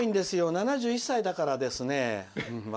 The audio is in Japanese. ７１歳だからですね」。